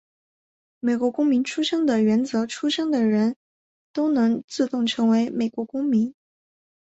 美国公民出生地原则出生的人都能自动成为美国公民。